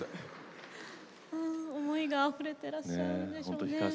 思いがあふれてらっしゃるんでしょうね。